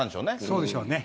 そうでしょうね。